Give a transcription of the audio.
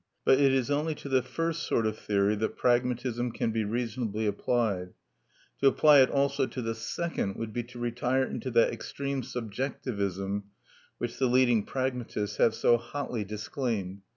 But it is only to the first sort of theory that pragmatism can be reasonably applied; to apply it also to the second would be to retire into that extreme subjectivism which the leading pragmatists have so hotly disclaimed.